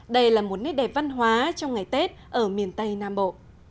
đây là một nét đẹp văn hóa trong ngày tết ở miền tây nam bộ